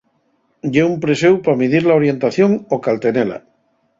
Ye un preséu pa midir la orientación o caltenela.